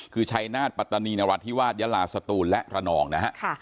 คือชัยนาฏปัตตานีนราธิวาสยาลาสตูนและระนองนะฮะ